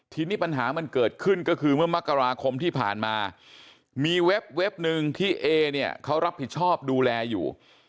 ทีนี้ปัญหามันเกิดขึ้นก็คือเมื่อมกราคมที่ผ่านมามีเว็บหนึ่งที่เอเนี่ยเขารับผิดชอบดูแลอยู่